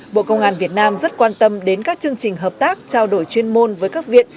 bộ công an việt nam rất quan tâm đến các chương trình hợp tác trao đổi chuyên môn với các viện